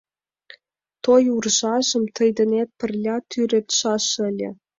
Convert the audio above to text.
Той уржажым тый денет Пырля тӱредшаш ыле.